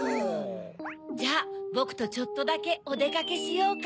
じゃあボクとちょっとだけおでかけしようか。